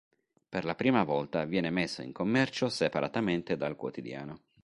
Per la prima volta viene messo in commercio separatamente dal quotidiano.